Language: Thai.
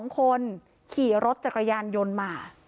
๒คนขี่รถจักรยานยนต์มา